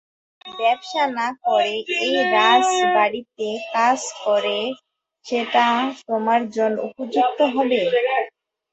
ব্যবসা না করে এই রাজবাড়িতে কাজ করো, সেটাই তোমার জন্য উপযুক্ত হবে।